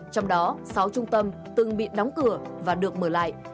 trong đó sáu trung tâm từng bị đóng cửa và được mở lại